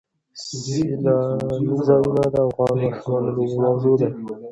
سیلاني ځایونه د افغان ماشومانو د لوبو موضوع ده.